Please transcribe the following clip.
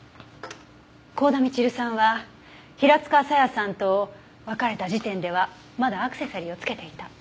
幸田みちるさんは平塚沙耶さんと別れた時点ではまだアクセサリーを着けていた。